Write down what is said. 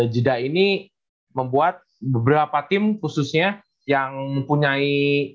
jeda ini membuat beberapa tim khususnya yang mempunyai